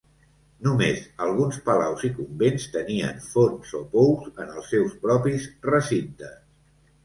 Només alguns palaus i convents tenien fonts o pous en els seus propis recintes.